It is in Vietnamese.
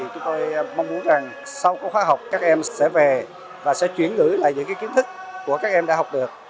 chúng tôi mong muốn rằng sau các khóa học các em sẽ về và sẽ chuyển gửi lại những kiến thức của các em đã học được